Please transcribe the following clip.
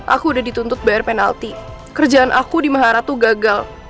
aku udah dituntut bayar penalti kerjaan aku di mahara tuh gagal